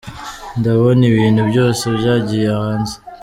Ndabona ibintu byose byagiye hanze !